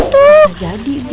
bisa jadi ibu